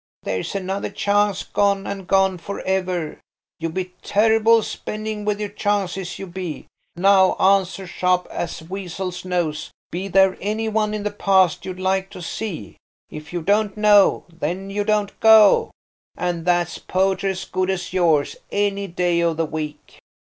"There's another chance gone, and gone for ever. You be terrible spending with your chances, you be. Now, answer sharp as weasel's nose. Be there any one in the past you'd like to see? "'If you don't know, Then you don't go.' And that's poetry as good as yours any day of the week."